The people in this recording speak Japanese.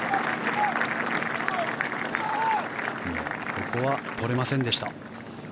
ここは取れませんでした。